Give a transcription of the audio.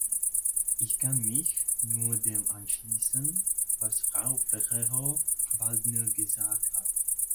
Ich kann mich nur dem anschließen, was Frau Ferrero-Waldner gesagt hat.